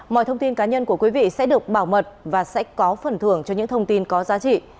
mọi thông tin cá nhân của quý vị sẽ được bảo mật và sẽ có phần thưởng cho những thông tin có giá trị